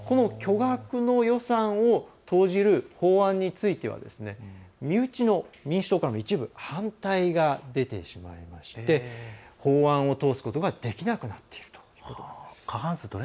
巨額の予算を投じる法案については身内の民主党からも一部反対が出てしまいまして法案を通すことができなくなっているということなんです。